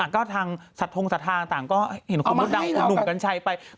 ก็ทางสะทงสะทางต่างเห็นคุณมดดำคุณหนุ่มกันใช้ไป